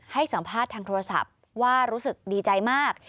ให้สัมภาษณ์ทางโทรศัพท์ว่ารู้สึกดีใจมาก